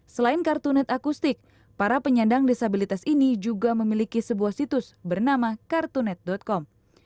selain kartunet akustik para penyandang disabilitas ini juga memiliki sebuah situs bernama kartunet com